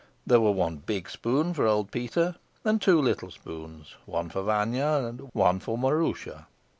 There were one big spoon, for old Peter; and two little spoons, one for Vanya and one for Maroosia.